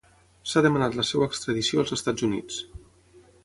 S'ha demanat la seva extradició als Estats Units.